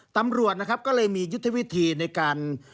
ตำรวจนะครับก็เลยมียุทธวิธีในการ